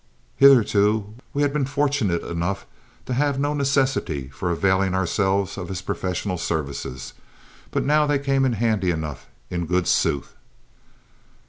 Hitherto we had been fortunate enough to have no necessity for availing ourselves of his professional services, but now they came in handy enough in good sooth.